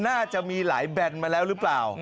น่าจะมีหลายแบนมาแล้วหรือเปล่า